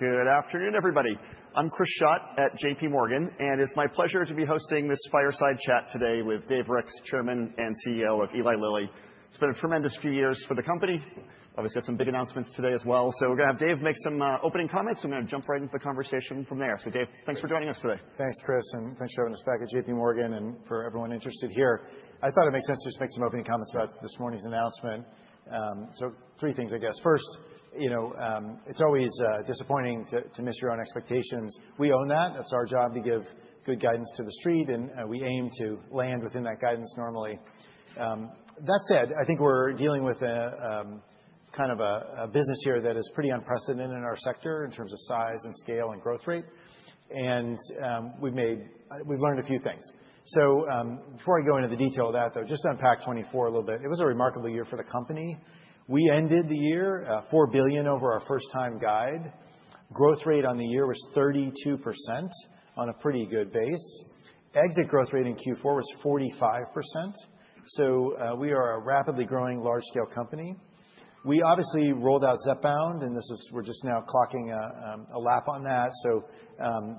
Good afternoon, everybody. I'm Chris Schott at J.P. Morgan, and it's my pleasure to be hosting this Fireside Chat today with Dave Ricks, Chairman and CEO of Eli Lilly. It's been a tremendous few years for the company. Obviously, we've got some big announcements today as well. So we're going to have Dave make some opening comments, and we're going to jump right into the conversation from there. So Dave, thanks for joining us today. Thanks, Chris, and thanks for having us back at JPMorgan and for everyone interested here. I thought it made sense to just make some opening comments about this morning's announcement. So three things, I guess. First, you know it's always disappointing to miss your own expectations. We own that. That's our job to give good guidance to the street, and we aim to land within that guidance normally. That said, I think we're dealing with kind of a business here that is pretty unprecedented in our sector in terms of size and scale and growth rate. And we've learned a few things. So before I go into the detail of that, though, just to unpack 2024 a little bit, it was a remarkable year for the company. We ended the year $4 billion over our first-time guide. Growth rate on the year was 32%, on a pretty good base. Exit growth rate in Q4 was 45%. So we are a rapidly growing large-scale company. We obviously rolled out Zepbound, and we're just now clocking a lap on that. So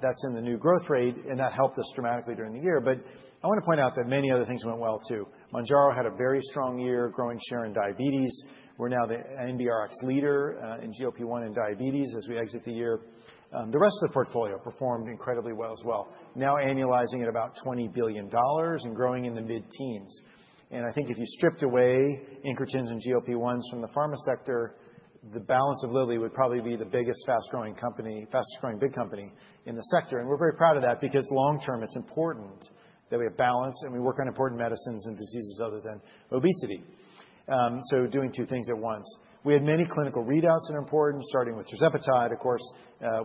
that's in the new growth rate, and that helped us dramatically during the year. But I want to point out that many other things went well, too. Mounjaro had a very strong year, growing share in diabetes. We're now the NBRX leader in GLP-1 in diabetes as we exit the year. The rest of the portfolio performed incredibly well as well, now annualizing at about $20 billion and growing in the mid-teens. And I think if you stripped away incretins and GLP-1s from the pharma sector, the balance of Lilly would probably be the biggest, fastest-growing big company in the sector. We're very proud of that because long-term, it's important that we have balance and we work on important medicines and diseases other than obesity, so doing two things at once. We had many clinical readouts that are important, starting with Tirzepatide, of course.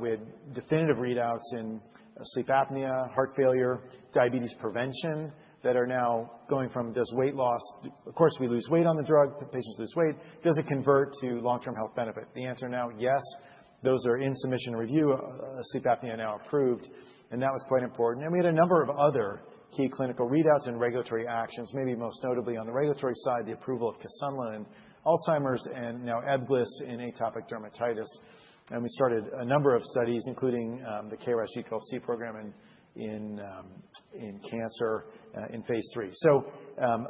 We had definitive readouts in sleep apnea, heart failure, diabetes prevention that are now going from, does weight loss, of course, we lose weight on the drug, patients lose weight, does it convert to long-term health benefit? The answer now, yes. Those are in submission review. Sleep apnea now approved. That was quite important. We had a number of other key clinical readouts and regulatory actions, maybe most notably on the regulatory side, the approval of Kisunla in Alzheimer's and now Ebglyss in atopic dermatitis. We started a number of studies, including the KRAS G12C program in cancer in phase three.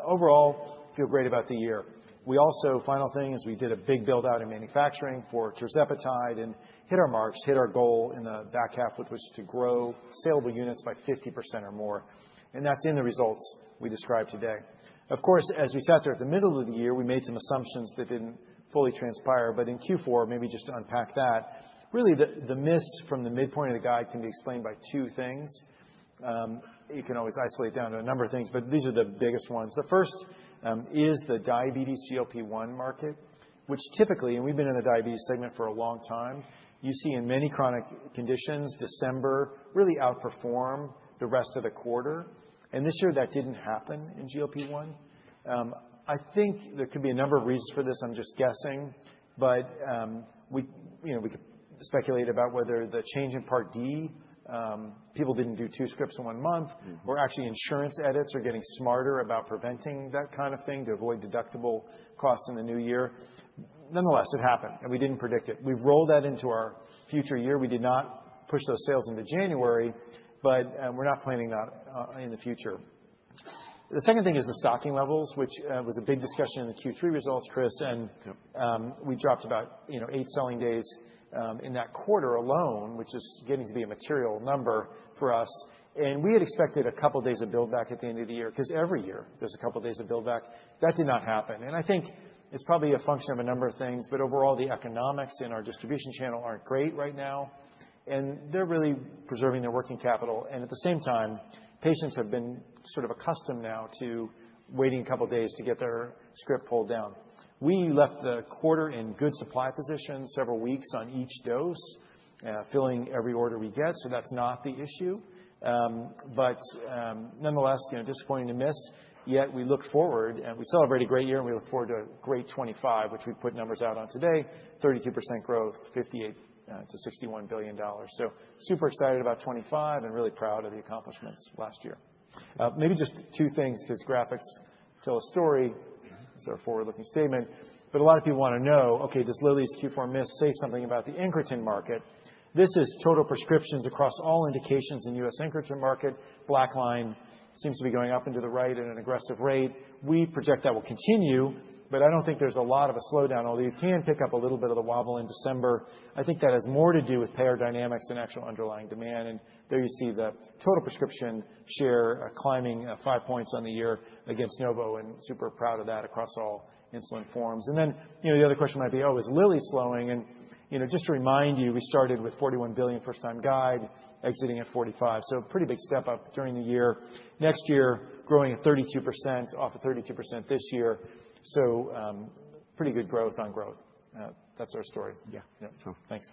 Overall, I feel great about the year. We also, final thing, is we did a big build-out in manufacturing for tirzepatide and hit our marks, hit our goal in the back half, which was to grow saleable units by 50% or more. And that's in the results we described today. Of course, as we sat there at the middle of the year, we made some assumptions that didn't fully transpire. But in Q4, maybe just to unpack that, really the miss from the midpoint of the guide can be explained by two things. You can always isolate down to a number of things, but these are the biggest ones. The first is the diabetes GLP-1 market, which typically, and we've been in the diabetes segment for a long time, you see in many chronic conditions December really outperform the rest of the quarter. And this year, that didn't happen in GLP-1. I think there could be a number of reasons for this. I'm just guessing. But we could speculate about whether the change in Part D, people didn't do two scripts in one month, or actually insurance edits are getting smarter about preventing that kind of thing to avoid deductible costs in the new year. Nonetheless, it happened, and we didn't predict it. We've rolled that into our future year. We did not push those sales into January, but we're not planning that in the future. The second thing is the stocking levels, which was a big discussion in the Q3 results, Chris. And we dropped about eight selling days in that quarter alone, which is getting to be a material number for us. And we had expected a couple of days of build-back at the end of the year because every year there's a couple of days of build-back. That did not happen. And I think it's probably a function of a number of things, but overall, the economics in our distribution channel aren't great right now. And they're really preserving their working capital. And at the same time, patients have been sort of accustomed now to waiting a couple of days to get their script pulled down. We left the quarter in good supply position several weeks on each dose, filling every order we get. So that's not the issue. But nonetheless, disappointing to miss. Yet we look forward, and we celebrated a great year, and we look forward to a great 2025, which we put numbers out on today, 32% growth, $58-$61 billion. So super excited about 2025 and really proud of the accomplishments last year. Maybe just two things because graphics tell a story. It's our forward-looking statement. But a lot of people want to know, okay, this Lilly's Q4 miss, say something about the incretin market. This is total prescriptions across all indications in the U.S. incretin market. Black line seems to be going up and to the right at an aggressive rate. We project that will continue, but I don't think there's a lot of a slowdown, although you can pick up a little bit of the wobble in December. I think that has more to do with payer dynamics than actual underlying demand. And there you see the total prescription share climbing five points on the year against Novo and super proud of that across all insulin forms. And then the other question might be, oh, is Lilly slowing? And just to remind you, we started with $41 billion first-time guide, exiting at $45. So a pretty big step up during the year. Next year, growing at 32% off of 32% this year. So pretty good growth on growth. That's our story. Yeah. Thanks.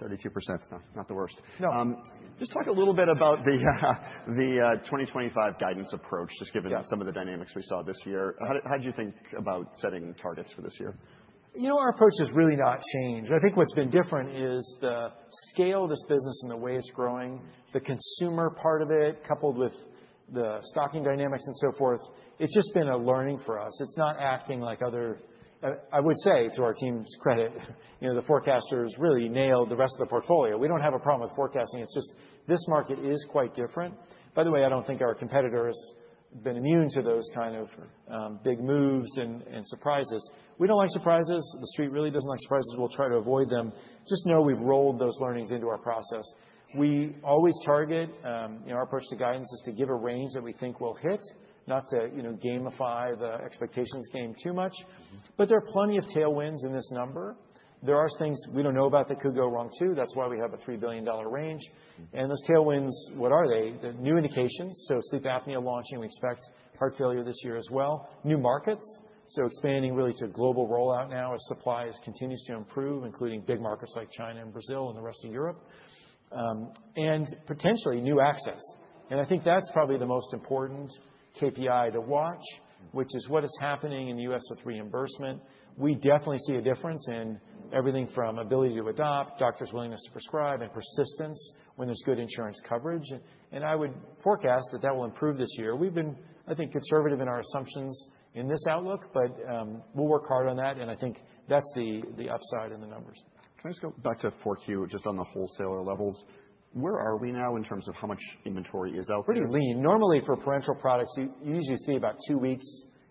32% stuff, not the worst. No. Just talk a little bit about the 2025 guidance approach, just given some of the dynamics we saw this year. How did you think about setting targets for this year? You know, our approach has really not changed. I think what's been different is the scale of this business and the way it's growing, the consumer part of it, coupled with the stocking dynamics and so forth. It's just been a learning for us. It's not acting like other, I would say to our team's credit, the forecasters really nailed the rest of the portfolio. We don't have a problem with forecasting. It's just this market is quite different. By the way, I don't think our competitors have been immune to those kind of big moves and surprises. We don't like surprises. The street really doesn't like surprises. We'll try to avoid them. Just know we've rolled those learnings into our process. We always target, our approach to guidance is to give a range that we think will hit, not to gamify the expectations game too much. But there are plenty of tailwinds in this number. There are things we don't know about that could go wrong, too. That's why we have a $3 billion range. And those tailwinds, what are they? The new indications, so sleep apnea launching. We expect heart failure this year as well. New markets, so expanding really to global rollout now as supply continues to improve, including big markets like China and Brazil and the rest of Europe. And potentially new access. And I think that's probably the most important KPI to watch, which is what is happening in the U.S. with reimbursement. We definitely see a difference in everything from ability to adopt, doctors' willingness to prescribe, and persistence when there's good insurance coverage. And I would forecast that that will improve this year. We've been, I think, conservative in our assumptions in this outlook, but we'll work hard on that. I think that's the upside in the numbers. Can I just go back to 4Q, just on the wholesaler levels? Where are we now in terms of how much inventory is out there? Pretty lean. Normally, for parenteral products, you usually see about two weeks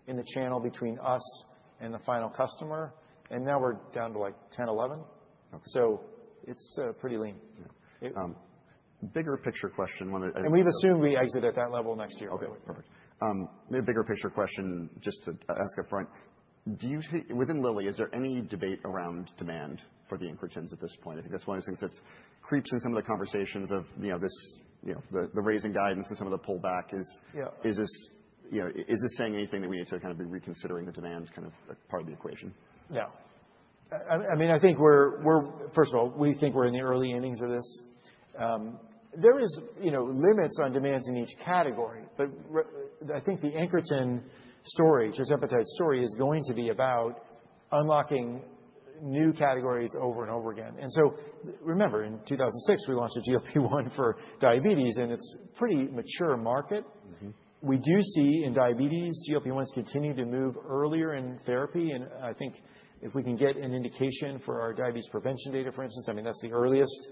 in the channel between us and the final customer, and now we're down to like 10, 11, so it's pretty lean. Bigger picture question. We've assumed we exit at that level next year. Okay. Perfect. Bigger picture question, just to ask upfront. Within Lilly, is there any debate around demand for the Incretins at this point? I think that's one of the things that creeps in some of the conversations of the raising guidance and some of the pullback. Is this saying anything that we need to kind of be reconsidering the demand kind of part of the equation? No. I mean, I think we're, first of all, we think we're in the early innings of this. There are limits on demands in each category. But I think the incretin story, tirzepatide's story, is going to be about unlocking new categories over and over again. And so remember, in 2006, we launched a GLP-1 for diabetes, and it's a pretty mature market. We do see in diabetes, GLP-1s continue to move earlier in therapy. And I think if we can get an indication for our diabetes prevention data, for instance, I mean, that's the earliest.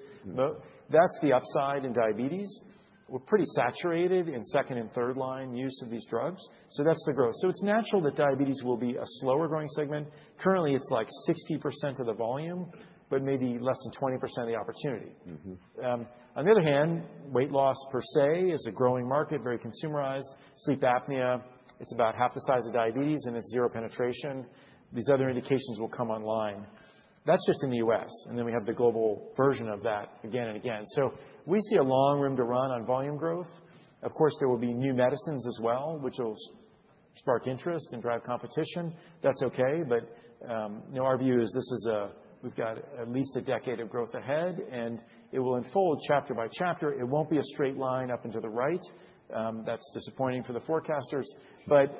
That's the upside in diabetes. We're pretty saturated in second and third line use of these drugs. So that's the growth. So it's natural that diabetes will be a slower growing segment. Currently, it's like 60% of the volume, but maybe less than 20% of the opportunity. On the other hand, weight loss per se is a growing market, very consumerized. Sleep apnea, it's about half the size of diabetes, and it's zero penetration. These other indications will come online. That's just in the U.S. And then we have the global version of that again and again. So we see a long runway to run on volume growth. Of course, there will be new medicines as well, which will spark interest and drive competition. That's okay. But our view is this is a, we've got at least a decade of growth ahead, and it will unfold chapter by chapter. It won't be a straight line up and to the right. That's disappointing for the forecasters. But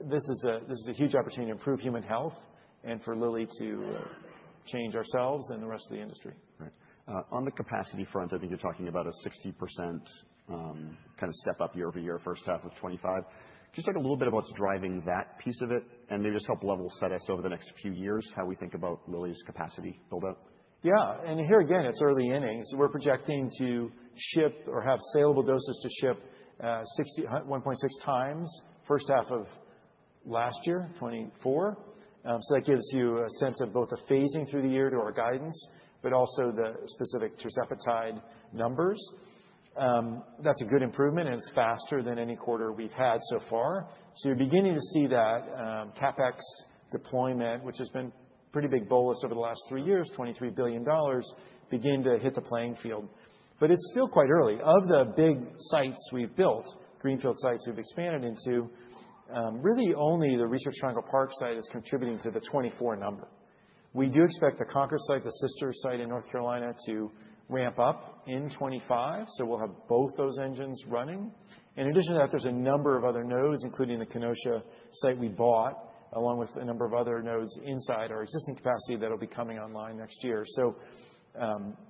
this is a huge opportunity to improve human health and for Lilly to change ourselves and the rest of the industry. Right. On the capacity front, I think you're talking about a 60% kind of step up year-over-year, first half of 2025. Just talk a little bit about what's driving that piece of it and maybe just help level set us over the next few years, how we think about Lilly's capacity build-out. Yeah. And here again, it's early innings. We're projecting to ship or have saleable doses to ship 1.6 times first half of last year, 2024. So that gives you a sense of both the phasing through the year to our guidance, but also the specific tirzepatide numbers. That's a good improvement, and it's faster than any quarter we've had so far. So you're beginning to see that CapEx deployment, which has been pretty big bolus over the last three years, $23 billion, begin to hit the playing field. But it's still quite early. Of the big sites we've built, greenfield sites we've expanded into, really only the Research Triangle Park site is contributing to the 2024 number. We do expect the Concord site, the sister site in North Carolina, to ramp up in 2025. So we'll have both those engines running. In addition to that, there's a number of other nodes, including the Kenosha site we bought, along with a number of other nodes inside our existing capacity that will be coming online next year. So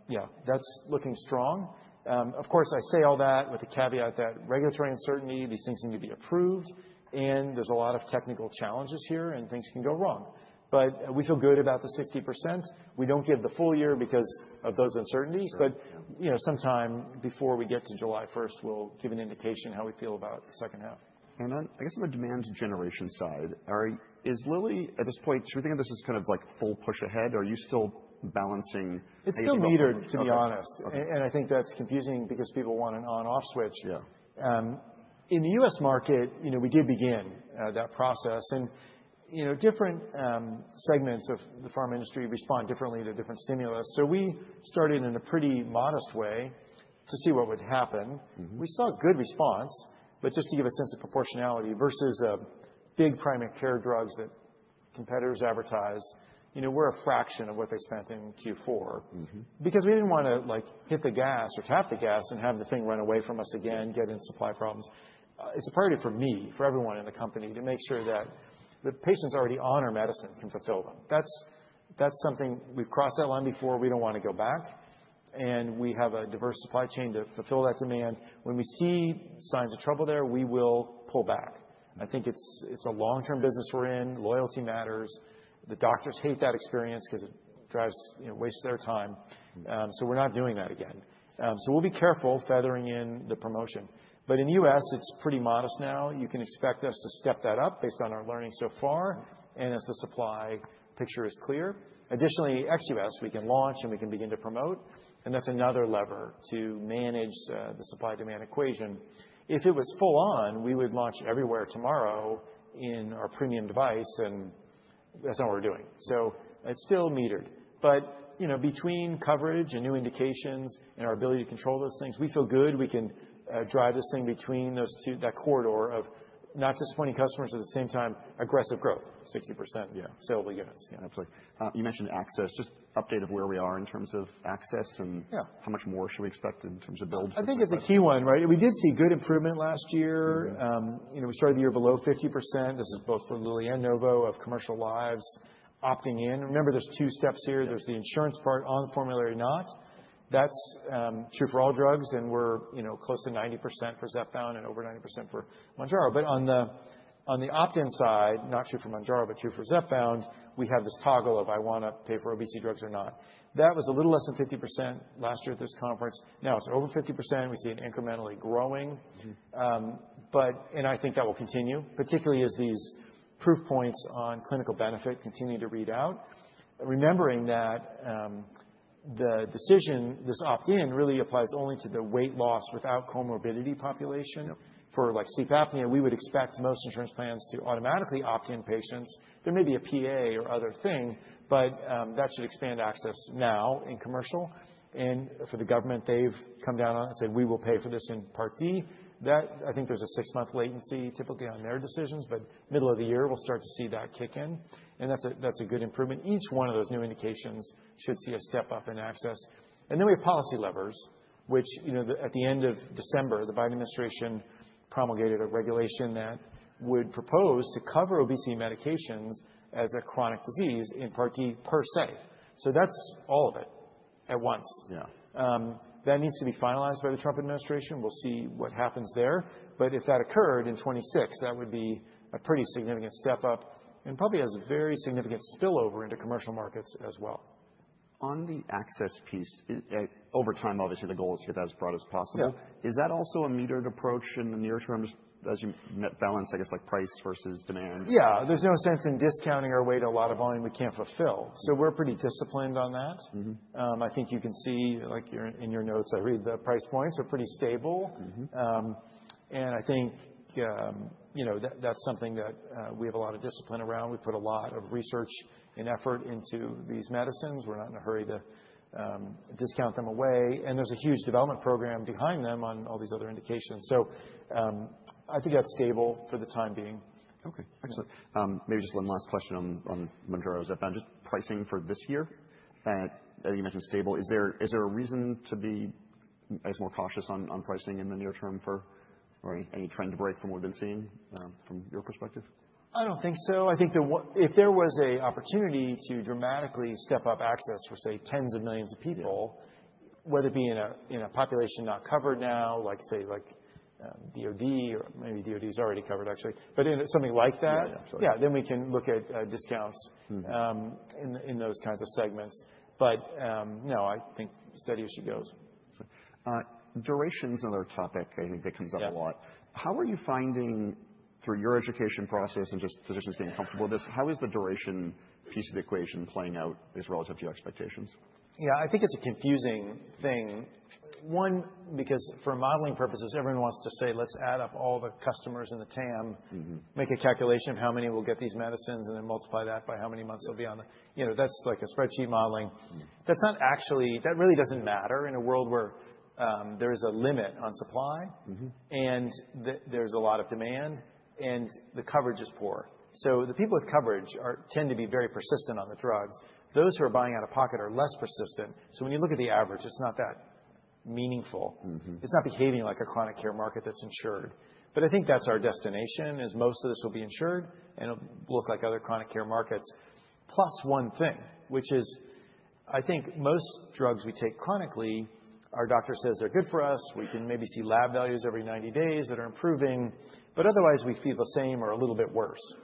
yeah, that's looking strong. Of course, I say all that with the caveat that regulatory uncertainty, these things need to be approved, and there's a lot of technical challenges here, and things can go wrong. But we feel good about the 60%. We don't give the full year because of those uncertainties. But sometime before we get to July 1st, we'll give an indication how we feel about the second half. I guess on the demand generation side, is Lilly at this point, so you're thinking this is kind of like full push ahead, or are you still balancing? It's still metered, to be honest, and I think that's confusing because people want an on-off switch. In the U.S. market, we did begin that process, and different segments of the pharma industry respond differently to different stimulus, so we started in a pretty modest way to see what would happen. We saw good response, but just to give a sense of proportionality versus big primary care drugs that competitors advertise, we're a fraction of what they spent in Q4 because we didn't want to hit the gas or tap the gas and have the thing run away from us again, get in supply problems. It's a priority for me, for everyone in the company, to make sure that the patients already on our medicine can fulfill them. That's something we've crossed that line before. We don't want to go back. We have a diverse supply chain to fulfill that demand. When we see signs of trouble there, we will pull back. I think it's a long-term business we're in. Loyalty matters. The doctors hate that experience because it wastes their time. So we're not doing that again. So we'll be careful feathering in the promotion. But in the U.S., it's pretty modest now. You can expect us to step that up based on our learning so far. And as the supply picture is clear, additionally, ex-U.S., we can launch and we can begin to promote. And that's another lever to manage the supply-demand equation. If it was full on, we would launch everywhere tomorrow in our premium device. And that's not what we're doing. So it's still metered. But between coverage and new indications and our ability to control those things, we feel good. We can drive this thing between that corridor of not disappointing customers at the same time, aggressive growth, 60% saleable units. Absolutely. You mentioned access. Just update of where we are in terms of access and how much more should we expect in terms of build? I think it's a key one, right? We did see good improvement last year. We started the year below 50%. This is both for Lilly and Novo of commercial lives opting in. Remember, there's two steps here. There's the insurance part on the formulary not. That's true for all drugs. And we're close to 90% for Zepbound and over 90% for Mounjaro. But on the opt-in side, not true for Mounjaro, but true for Zepbound, we have this toggle of I want to pay for obesity drugs or not. That was a little less than 50% last year at this conference. Now it's over 50%. We see it incrementally growing. And I think that will continue, particularly as these proof points on clinical benefit continue to read out. Remembering that the decision, this opt-in really applies only to the weight loss without comorbidity population. For sleep apnea, we would expect most insurance plans to automatically opt-in patients. There may be a PA or other thing, but that should expand access now in commercial. And for the government, they've come down on it and said, we will pay for this in Part D. I think there's a six-month latency typically on their decisions, but middle of the year, we'll start to see that kick in. And that's a good improvement. Each one of those new indications should see a step up in access. And then we have policy levers, which at the end of December, the Biden administration promulgated a regulation that would propose to cover obesity medications as a chronic disease in Part D per se. So that's all of it at once. That needs to be finalized by the Trump administration. We'll see what happens there. But if that occurred in 2026, that would be a pretty significant step up and probably has a very significant spillover into commercial markets as well. On the access piece, over time, obviously, the goal is to get that as broad as possible. Is that also a metered approach in the near term as you balance, I guess, like price versus demand? Yeah. There's no sense in discounting our way to a lot of volume we can't fulfill. So we're pretty disciplined on that. I think you can see in your notes, I read the price points are pretty stable. And I think that's something that we have a lot of discipline around. We put a lot of research and effort into these medicines. We're not in a hurry to discount them away. And there's a huge development program behind them on all these other indications. So I think that's stable for the time being. Okay. Excellent. Maybe just one last question on Mounjaro, Zepbound, just pricing for this year. I think you mentioned stable. Is there a reason to be, I guess, more cautious on pricing in the near term for any trend break from what we've been seeing from your perspective? I don't think so. I think if there was an opportunity to dramatically step up access for, say, tens of millions of people, whether it be in a population not covered now, like say DOD, or maybe DOD is already covered, actually, but something like that, yeah, then we can look at discounts in those kinds of segments. But no, I think steady as she goes. Duration is another topic, I think, that comes up a lot. How are you finding through your education process and just physicians getting comfortable with this, how is the duration piece of the equation playing out as relative to your expectations? Yeah, I think it's a confusing thing. One, because for modeling purposes, everyone wants to say, let's add up all the customers in the TAM, make a calculation of how many will get these medicines, and then multiply that by how many months they'll be on the, that's like a spreadsheet modeling. That's not actually, that really doesn't matter in a world where there is a limit on supply and there's a lot of demand and the coverage is poor. So the people with coverage tend to be very persistent on the drugs. Those who are buying out of pocket are less persistent. So when you look at the average, it's not that meaningful. It's not behaving like a chronic care market that's insured. But I think that's our destination is most of this will be insured and it'll look like other chronic care markets. Plus one thing, which is I think most drugs we take chronically, our doctor says they're good for us. We can maybe see lab values every 90 days that are improving. But otherwise, we feel the same or a little bit worse.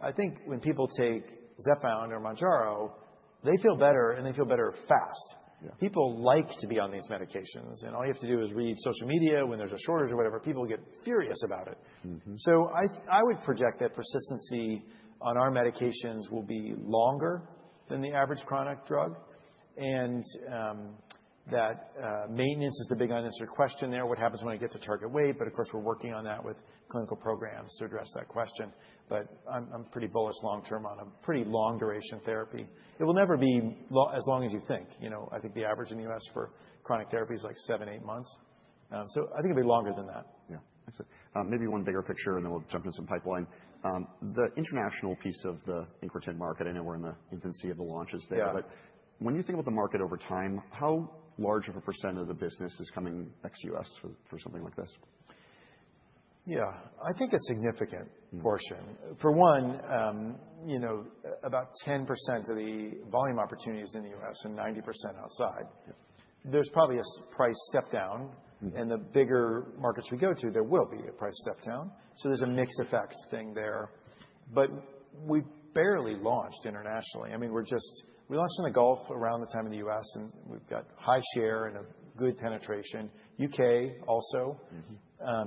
I think when people take Zepbound or Mounjaro, they feel better and they feel better fast. People like to be on these medications. And all you have to do is read social media when there's a shortage or whatever. People get furious about it. So I would project that persistency on our medications will be longer than the average chronic drug. And that maintenance is the big unanswered question there, what happens when I get to target weight. But of course, we're working on that with clinical programs to address that question. But I'm pretty bullish long term on a pretty long duration therapy. It will never be as long as you think. I think the average in the U.S. for chronic therapy is like seven, eight months. So I think it'll be longer than that. Yeah. Excellent. Maybe one bigger picture and then we'll jump into some pipeline. The international piece of the Incretin market, I know we're in the infancy of the launches there. But when you think about the market over time, how large of a percent of the business is coming ex-US for something like this? Yeah. I think a significant portion. For one, about 10% of the volume opportunities in the U.S. and 90% outside. There's probably a price step down. And the bigger markets we go to, there will be a price step down. So there's a mixed effect thing there. But we barely launched internationally. I mean, we're just, we launched in the Gulf around the time in the U.S. and we've got high share and a good penetration. U.K. also,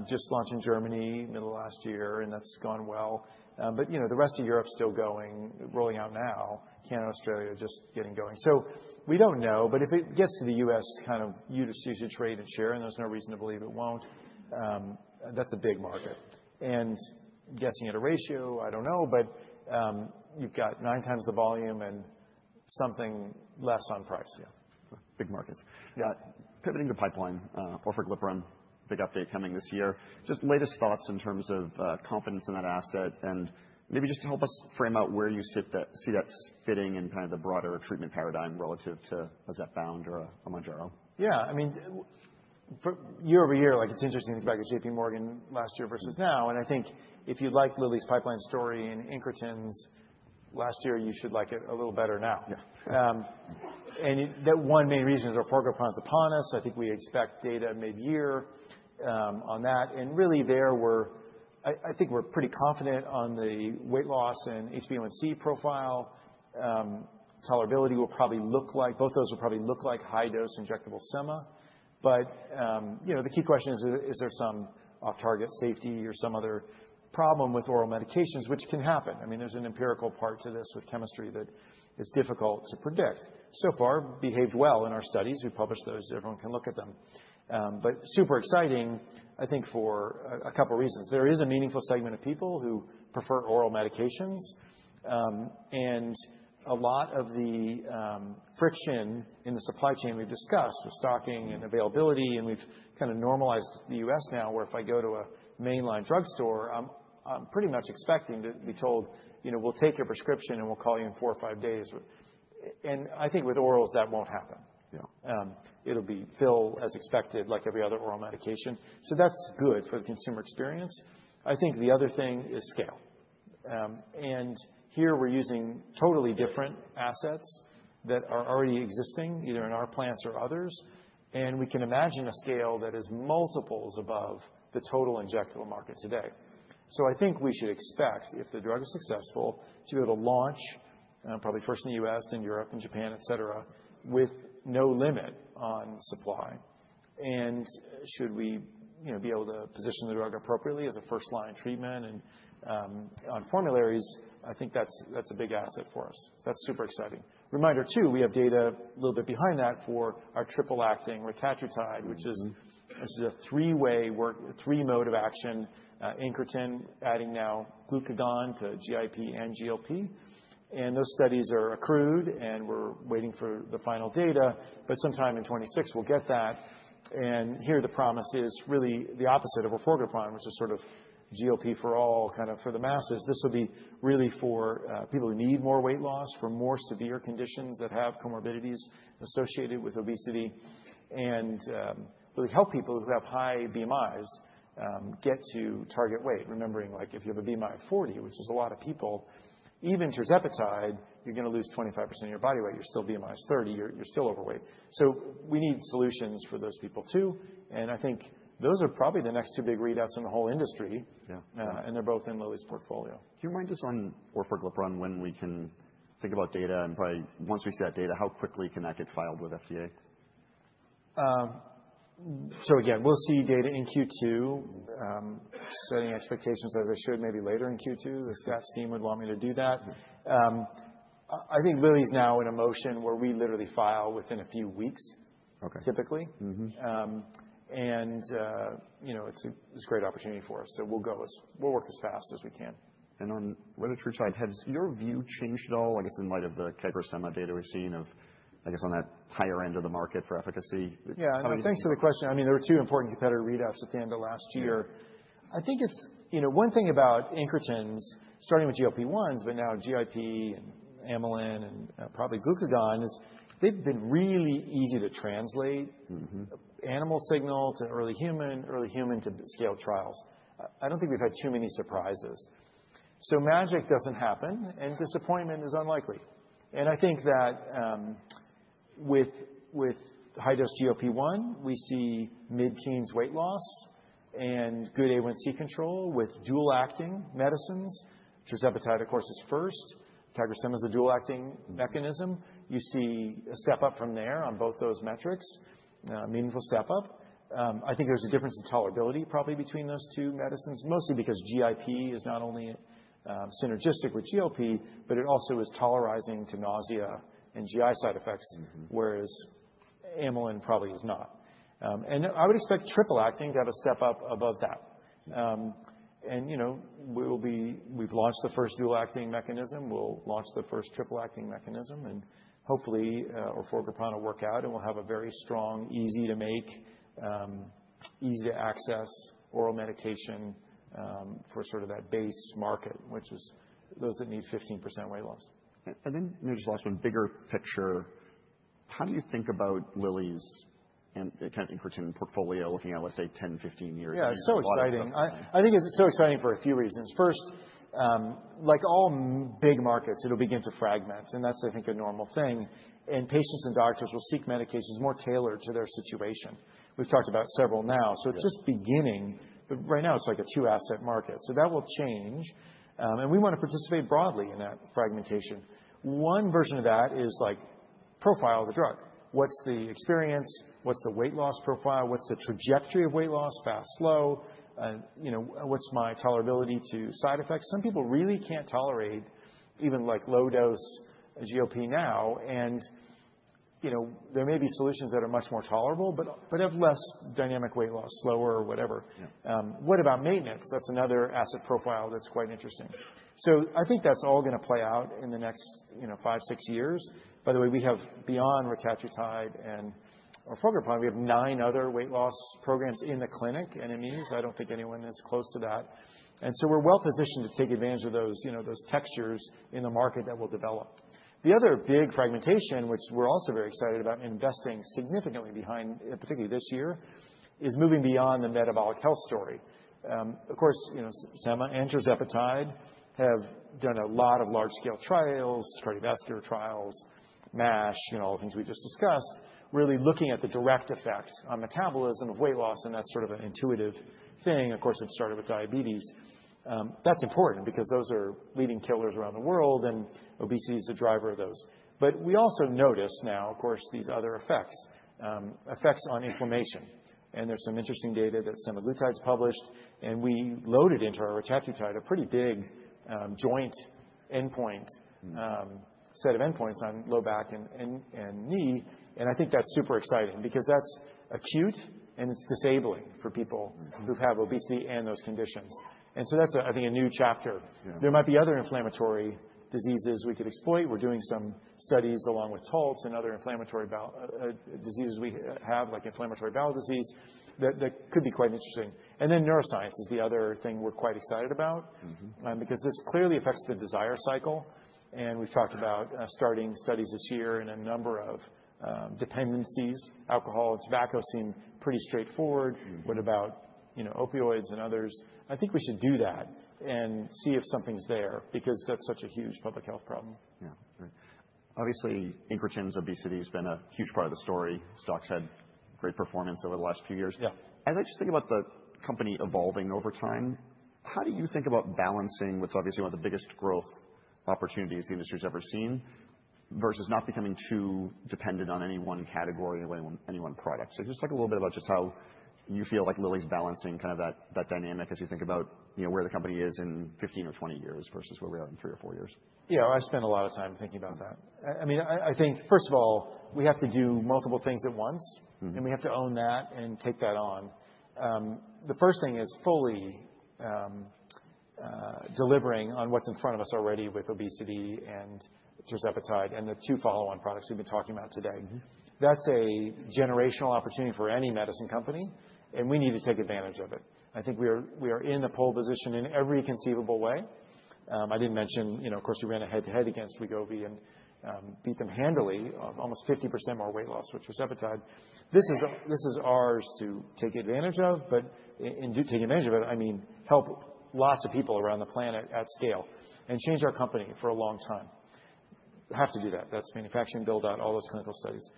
just launched in Germany middle of last year and that's gone well. But the rest of Europe's still going, rolling out now. Canada, Australia just getting going. So we don't know. But if it gets to the U.S. kind of usage rate and share, and there's no reason to believe it won't, that's a big market. And guessing at a ratio, I don't know. But you've got nine times the volume and something less on price. Yeah. Big markets. Pivoting to pipeline, orforglipron, big update coming this year. Just latest thoughts in terms of confidence in that asset and maybe just to help us frame out where you see that fitting in kind of the broader treatment paradigm relative to a Zepbound or a Mounjaro. Yeah. I mean, year-over-year, it's interesting to think about your J.P. Morgan last year versus now. And I think if you liked Lilly's pipeline story in incretins' last year, you should like it a little better now. And that one main reason is our orforglipron upon us. I think we expect data mid-year on that. And really there, I think we're pretty confident on the weight loss and HbA1c profile. Tolerability will probably look like, both of those will probably look like high-dose injectable SEMA. But the key question is, is there some off-target safety or some other problem with oral medications, which can happen. I mean, there's an empirical part to this with chemistry that is difficult to predict. So far, behaved well in our studies. We published those. Everyone can look at them. But super exciting, I think, for a couple of reasons. There is a meaningful segment of people who prefer oral medications, and a lot of the friction in the supply chain we've discussed with stocking and availability, and we've kind of normalized the U.S. now where if I go to a mainline drug store, I'm pretty much expecting to be told, we'll take your prescription and we'll call you in four or five days, and I think with orals, that won't happen. It'll be fill as expected, like every other oral medication, so that's good for the consumer experience. I think the other thing is scale, and here we're using totally different assets that are already existing, either in our plants or others, and we can imagine a scale that is multiples above the total injectable market today. So I think we should expect, if the drug is successful, to be able to launch probably first in the U.S., then Europe, then Japan, etc., with no limit on supply. And should we be able to position the drug appropriately as a first-line treatment and on formularies, I think that's a big asset for us. That's super exciting. Reminder too, we have data a little bit behind that for our triple-acting retatrutide, which is a three-way, three mode of action, incretin adding now glucagon to GIP and GLP. And those studies are accrued and we're waiting for the final data. But sometime in 2026, we'll get that. And here the promise is really the opposite of orforglipron, which is sort of GLP for all kind of for the masses. This will be really for people who need more weight loss, for more severe conditions that have comorbidities associated with obesity, and really help people who have high BMIs get to target weight. Remembering, if you have a BMI of 40, which is a lot of people, even tirzepatide, you're going to lose 25% of your body weight. You're still BMI is 30. You're still overweight. So we need solutions for those people too. And I think those are probably the next two big readouts in the whole industry. And they're both in Lilly's portfolio. Do you remind us on or for Orforglipron when we can think about data and probably once we see that data, how quickly can that get filed with FDA? So again, we'll see data in Q2, setting expectations as they should maybe later in Q2. The stats team would want me to do that. I think Lilly's now in a motion where we literally file within a few weeks, typically. And it's a great opportunity for us. So we'll work as fast as we can. On Retatrutide, has your view changed at all, I guess, in light of the CagriSema data we've seen of, I guess, on that higher end of the market for efficacy? Yeah. Thanks for the question. I mean, there were two important competitor readouts at the end of last year. I think it's one thing about Incretins, starting with GLP-1s, but now GIP and amylin and probably glucagon is they've been really easy to translate animal signal to early human, early human to scale trials. I don't think we've had too many surprises. So magic doesn't happen and disappointment is unlikely. And I think that with high-dose GLP-1, we see mid-teens weight loss and good A1C control with dual-acting medicines. tirzepatide, of course, is first. CagriSema is a dual-acting mechanism. You see a step up from there on both those metrics, meaningful step up. I think there's a difference in tolerability probably between those two medicines, mostly because GIP is not only synergistic with GLP, but it also is tolerizing to nausea and GI side effects, whereas Amylin probably is not. I would expect triple-acting to have a step up above that. We've launched the first dual-acting mechanism. We'll launch the first triple-acting mechanism and hopefully Orforglipron will work out and we'll have a very strong, easy to make, easy to access oral medication for sort of that base market, which is those that need 15% weight loss. And then maybe just last one, bigger picture. How do you think about Lilly's kind of incretin portfolio looking at, let's say, 10, 15 years? Yeah, it's so exciting. I think it's so exciting for a few reasons. First, like all big markets, it'll begin to fragment. And that's, I think, a normal thing. And patients and doctors will seek medications more tailored to their situation. We've talked about several now. So it's just beginning, but right now it's like a two-asset market. So that will change. And we want to participate broadly in that fragmentation. One version of that is like profile of the drug. What's the experience? What's the weight loss profile? What's the trajectory of weight loss, fast, slow? What's my tolerability to side effects? Some people really can't tolerate even low-dose GLP now. And there may be solutions that are much more tolerable, but have less dynamic weight loss, slower or whatever. What about maintenance? That's another asset profile that's quite interesting. So I think that's all going to play out in the next five, six years. By the way, we have beyond Retatrutide and Orforglipron, we have nine other weight loss programs in the clinic, NMEs. I don't think anyone is close to that. And so we're well positioned to take advantage of those textures in the market that will develop. The other big fragmentation, which we're also very excited about investing significantly behind, particularly this year, is moving beyond the metabolic health story. Of course, Sema and tirzepatide have done a lot of large-scale trials, cardiovascular trials, MASH, all the things we just discussed, really looking at the direct effect on metabolism of weight loss. And that's sort of an intuitive thing. Of course, it started with diabetes. That's important because those are leading killers around the world and obesity is a driver of those. But we also notice now, of course, these other effects, effects on inflammation. And there's some interesting data that semaglutide has published. And we loaded into our Retatrutide a pretty big joint endpoint set of endpoints on low back and knee. And I think that's super exciting because that's acute and it's disabling for people who have obesity and those conditions. And so that's, I think, a new chapter. There might be other inflammatory diseases we could exploit. We're doing some studies along with Taltz and other inflammatory diseases we have, like inflammatory bowel disease, that could be quite interesting. And then neuroscience is the other thing we're quite excited about because this clearly affects the desire cycle. And we've talked about starting studies this year in a number of dependencies. Alcohol and tobacco seem pretty straightforward. What about opioids and others? I think we should do that and see if something's there because that's such a huge public health problem. Yeah. Right. Obviously, incretin obesity has been a huge part of the story. Stocks had great performance over the last few years. As I just think about the company evolving over time, how do you think about balancing what's obviously one of the biggest growth opportunities the industry has ever seen versus not becoming too dependent on any one category or any one product? So just talk a little bit about just how you feel like Lilly's balancing kind of that dynamic as you think about where the company is in 15 or 20 years versus where we are in three or four years. Yeah. I spend a lot of time thinking about that. I mean, I think, first of all, we have to do multiple things at once and we have to own that and take that on. The first thing is fully delivering on what's in front of us already with obesity and tirzepatide and the two follow-on products we've been talking about today. That's a generational opportunity for any medicine company and we need to take advantage of it. I think we are in the pole position in every conceivable way. I didn't mention, of course, we ran a head-to-head against Wegovy and beat them handily of almost 50% more weight loss with tirzepatide. This is ours to take advantage of, but in taking advantage of it, I mean, help lots of people around the planet at scale and change our company for a long time. Have to do that. That's manufacturing, build out, all those clinical studies.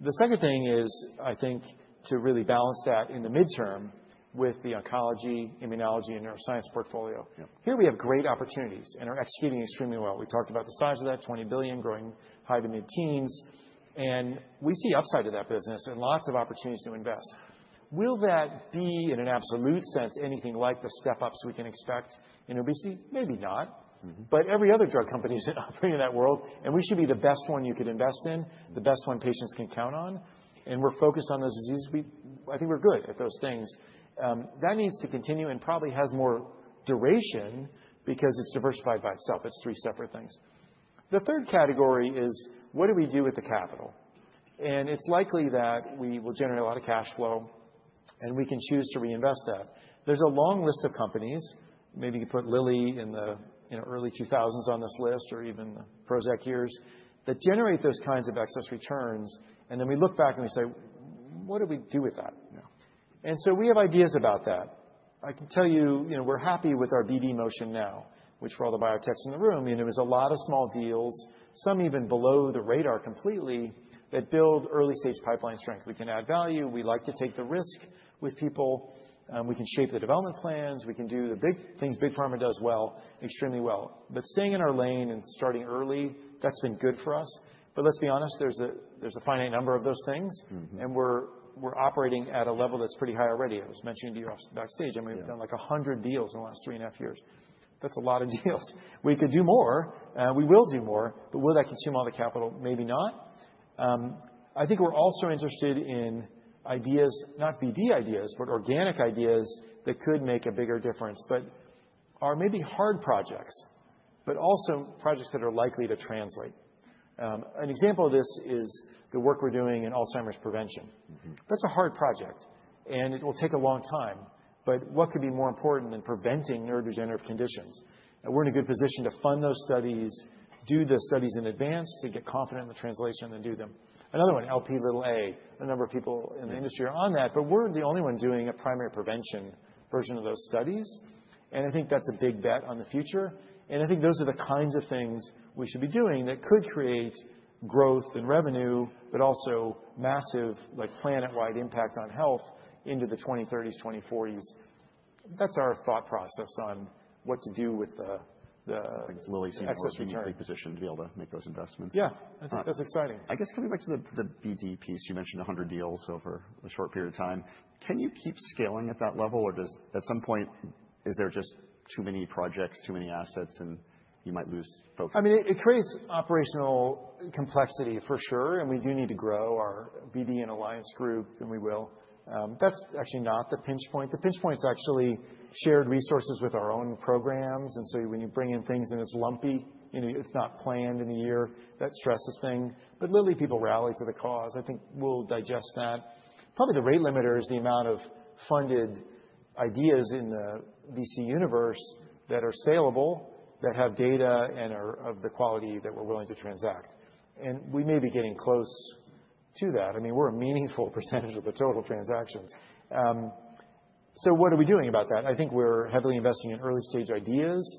The second thing is, I think, to really balance that in the midterm with the oncology, immunology, and neuroscience portfolio. Here we have great opportunities and are executing extremely well. We talked about the size of that, $20 billion, growing high- to mid-teens%. And we see upside to that business and lots of opportunities to invest. Will that be in an absolute sense anything like the step-ups we can expect in obesity? Maybe not. But every other drug company is operating in that world and we should be the best one you could invest in, the best one patients can count on. And we're focused on those diseases. I think we're good at those things. That needs to continue and probably has more duration because it's diversified by itself. It's three separate things. The third category is what do we do with the capital? And it's likely that we will generate a lot of cash flow and we can choose to reinvest that. There's a long list of companies. Maybe you could put Lilly in the early 2000s on this list or even the Prozac years that generate those kinds of excess returns. And then we look back and we say, what do we do with that? And so we have ideas about that. I can tell you we're happy with our BD motion now, which for all the biotechs in the room, there was a lot of small deals, some even below the radar completely that build early-stage pipeline strength. We can add value. We like to take the risk with people. We can shape the development plans. We can do the big things Big Pharma does well, extremely well. But staying in our lane and starting early, that's been good for us. But let's be honest, there's a finite number of those things. And we're operating at a level that's pretty high already. I was mentioning to you off backstage, I mean, we've done like 100 deals in the last three and a half years. That's a lot of deals. We could do more. We will do more, but will that consume all the capital? Maybe not. I think we're also interested in ideas, not BD ideas, but organic ideas that could make a bigger difference, but are maybe hard projects, but also projects that are likely to translate. An example of this is the work we're doing in Alzheimer's prevention. That's a hard project and it will take a long time, but what could be more important than preventing neurodegenerative conditions? We're in a good position to fund those studies, do the studies in advance to get confident in the translation and do them. Another one, Lp(a), a number of people in the industry are on that, but we're the only one doing a primary prevention version of those studies. And I think that's a big bet on the future. And I think those are the kinds of things we should be doing that could create growth and revenue, but also massive planet-wide impact on health into the 2030s, 2040s. That's our thought process on what to do with the. I think Lilly seems in a pretty good position to be able to make those investments. Yeah. I think that's exciting. I guess coming back to the BD piece, you mentioned 100 deals over a short period of time. Can you keep scaling at that level or, at some point, is there just too many projects, too many assets, and you might lose focus? I mean, it creates operational complexity for sure, and we do need to grow our BD and Alliance group and we will. That's actually not the pinch point. The pinch point is actually shared resources with our own programs, and so when you bring in things and it's lumpy, it's not planned in the year, that stresses things. But literally people rally to the cause. I think we'll digest that. Probably the rate limiter is the amount of funded ideas in the VC universe that are saleable, that have data and are of the quality that we're willing to transact, and we may be getting close to that. I mean, we're a meaningful percentage of the total transactions, so what are we doing about that? I think we're heavily investing in early-stage ideas.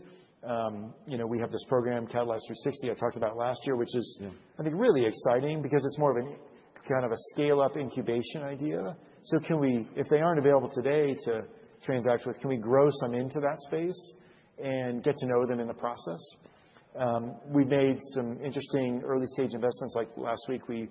We have this program, Catalyze360, I talked about last year, which is I think really exciting because it's more of a kind of a scale-up incubation idea. So if they aren't available today to transact with, can we grow some into that space and get to know them in the process? We've made some interesting early-stage investments. Like last week, we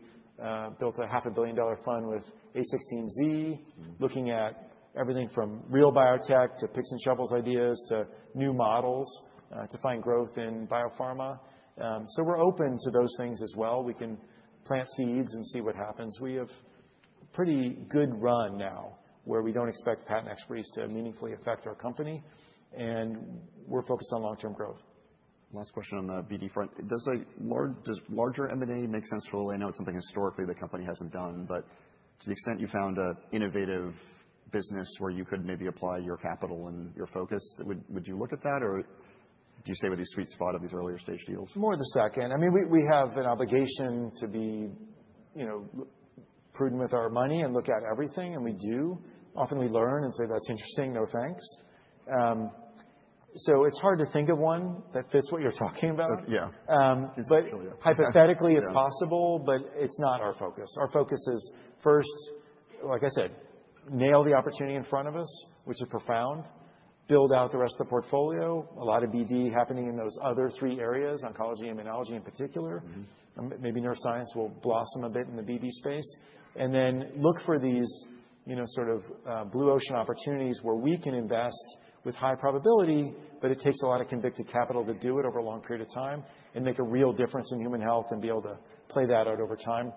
built a $500 million fund with A16Z, looking at everything from real biotech to picks and shovels ideas to new models to find growth in biopharma. So we're open to those things as well. We can plant seeds and see what happens. We have a pretty good run now where we don't expect patent expirations to meaningfully affect our company, and we're focused on long-term growth. Last question on the BD front. Does larger M&A make sense for Lilly? I know it's something historically the company hasn't done, but to the extent you found an innovative business where you could maybe apply your capital and your focus, would you look at that or do you stay with the sweet spot of these earlier-stage deals? More the second. I mean, we have an obligation to be prudent with our money and look at everything and we do. Often we learn and say, "That's interesting. No thanks." So it's hard to think of one that fits what you're talking about. But hypothetically, it's possible, but it's not our focus. Our focus is first, like I said, nail the opportunity in front of us, which is profound, build out the rest of the portfolio, a lot of BD happening in those other three areas, oncology and immunology in particular. Maybe neuroscience will blossom a bit in the BD space. And then look for these sort of blue ocean opportunities where we can invest with high probability, but it takes a lot of convicted capital to do it over a long period of time and make a real difference in human health and be able to play that out over time.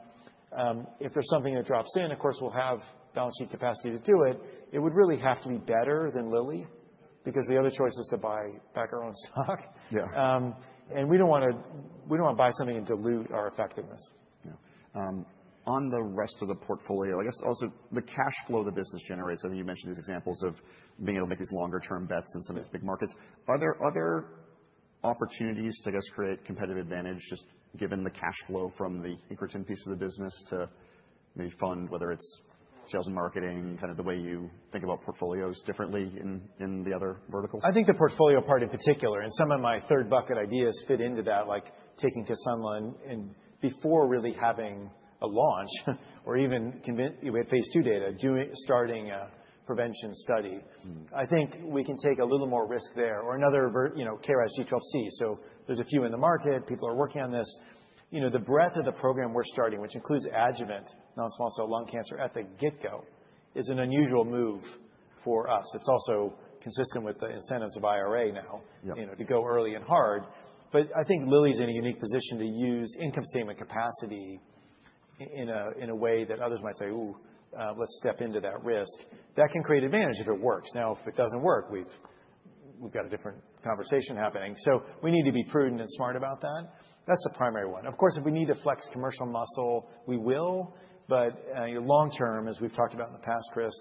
If there's something that drops in, of course, we'll have balance sheet capacity to do it. It would really have to be better than Lilly because the other choice is to buy back our own stock. And we don't want to buy something and dilute our effectiveness. On the rest of the portfolio, I guess also the cash flow the business generates, I think you mentioned these examples of being able to make these longer-term bets in some of these big markets. Are there other opportunities to, I guess, create competitive advantage just given the cash flow from the incretin piece of the business to maybe fund, whether it's sales and marketing, kind of the way you think about portfolios differently in the other verticals? I think the portfolio part in particular and some of my third bucket ideas fit into that, like taking Kisunla and before really having a launch or even with phase 2 data, starting a prevention study. I think we can take a little more risk there or another KRAS G12C. So there's a few in the market. People are working on this. The breadth of the program we're starting, which includes adjuvant non-small cell lung cancer at the get-go, is an unusual move for us. It's also consistent with the incentives of IRA now to go early and hard. But I think Lilly's in a unique position to use income statement capacity in a way that others might say, "Ooh, let's step into that risk." That can create advantage if it works. Now, if it doesn't work, we've got a different conversation happening. So we need to be prudent and smart about that. That's the primary one. Of course, if we need to flex commercial muscle, we will. But long-term, as we've talked about in the past, Chris,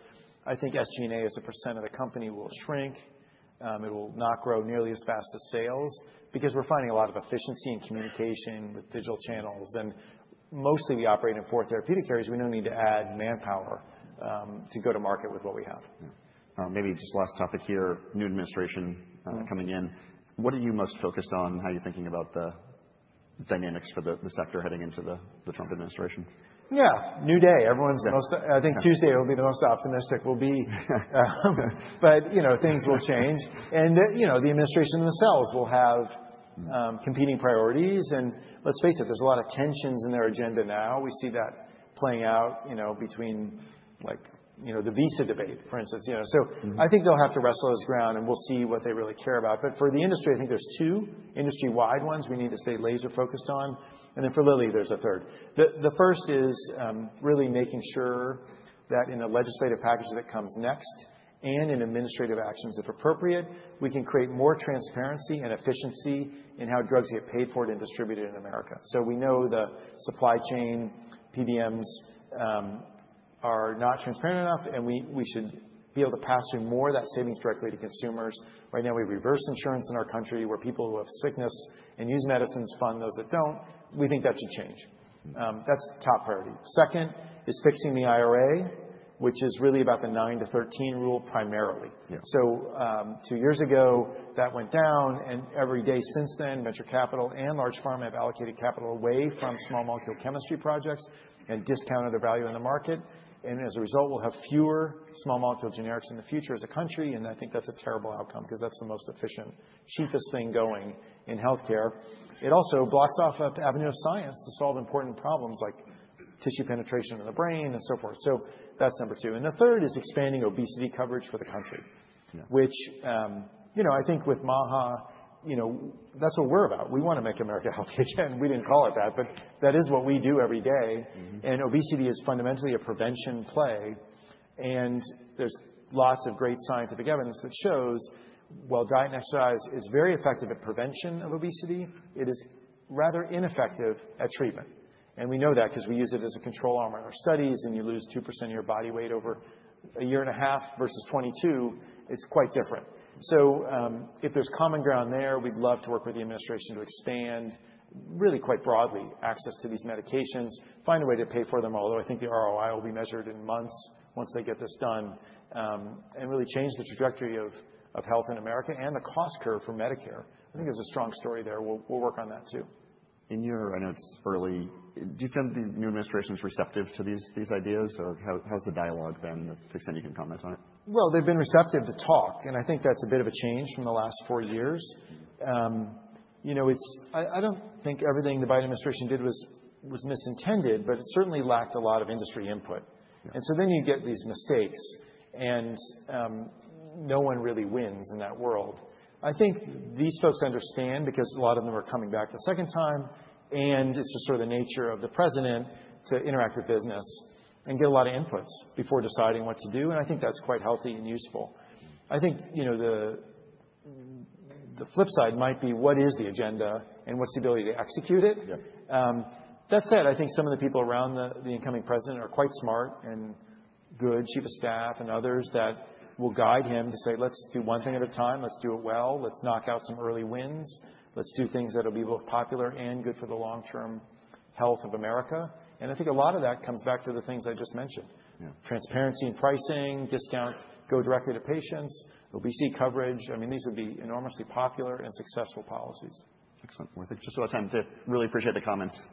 I think SG&A as a percent of the company will shrink. It will not grow nearly as fast as sales because we're finding a lot of efficiency and communication with digital channels. And mostly we operate in four therapeutic areas. We don't need to add manpower to go to market with what we have. Maybe just last topic here, new administration coming in. What are you most focused on? How are you thinking about the dynamics for the sector heading into the Trump administration? Yeah. New day. I think Tuesday will be the most optimistic we'll be. But things will change. And the administration themselves will have competing priorities. And let's face it, there's a lot of tensions in their agenda now. We see that playing out between the visa debate, for instance. So I think they'll have to wrestle those out and we'll see what they really care about. But for the industry, I think there's two industry-wide ones we need to stay laser-focused on. And then for Lilly, there's a third. The first is really making sure that in the legislative package that comes next and in administrative actions, if appropriate, we can create more transparency and efficiency in how drugs get paid for and distributed in America. So we know the supply chain, PBMs are not transparent enough and we should be able to pass through more of that savings directly to consumers. Right now, we have reverse insurance in our country where people who have sickness and use medicines fund those that don't. We think that should change. That's top priority. Second is fixing the IRA, which is really about the 9 to 13 Rule primarily. So two years ago, that went down and every day since then, venture capital and large pharma have allocated capital away from small molecule chemistry projects and discounted their value in the market. And as a result, we'll have fewer small molecule generics in the future as a country. And I think that's a terrible outcome because that's the most efficient, cheapest thing going in healthcare. It also blocks off an avenue of science to solve important problems like tissue penetration in the brain and so forth. So that's number two. And the third is expanding obesity coverage for the country, which I think with MAHA, that's what we're about. We want to make America healthy again. We didn't call it that, but that is what we do every day. And obesity is fundamentally a prevention play. And there's lots of great scientific evidence that shows, while diet and exercise is very effective at prevention of obesity, it is rather ineffective at treatment. And we know that because we use it as a control arm in our studies and you lose 2% of your body weight over a year and a half versus 22%. It's quite different. So if there's common ground there, we'd love to work with the administration to expand really quite broadly access to these medications, find a way to pay for them, although I think the ROI will be measured in months once they get this done and really change the trajectory of health in America and the cost curve for Medicare. I think there's a strong story there. We'll work on that too. In your announcements for Lilly, do you find the new administration receptive to these ideas or how's the dialogue been to the extent you can comment on it? Well, they've been receptive to talk. And I think that's a bit of a change from the last four years. I don't think everything the Biden administration did was misintended, but it certainly lacked a lot of industry input. And so then you get these mistakes and no one really wins in that world. I think these folks understand because a lot of them are coming back the second time. And it's just sort of the nature of the president to interact with business and get a lot of inputs before deciding what to do. And I think that's quite healthy and useful. I think the flip side might be, what is the agenda and what's the ability to execute it? That said, I think some of the people around the incoming president are quite smart and good, Chief of Staff and others that will guide him to say, "Let's do one thing at a time. Let's do it well. Let's knock out some early wins. Let's do things that'll be both popular and good for the long-term health of America." And I think a lot of that comes back to the things I just mentioned. Transparency in pricing, discount, go directly to patients, obesity coverage. I mean, these would be enormously popular and successful policies. Excellent. Well, I think just about time to really appreciate the comments.